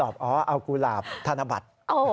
เป็นผมผมตอบเอากุหลาบธนบัตร